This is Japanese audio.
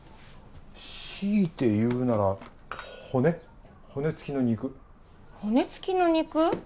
強いて言うなら骨骨付きの肉骨付きの肉？